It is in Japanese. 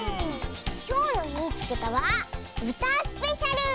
きょうの「みいつけた！」はうたスペシャル！